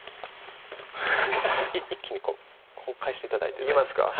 一気にこう返して頂いていきますか？